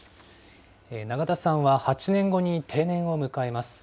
永田さんは８年後に定年を迎えます。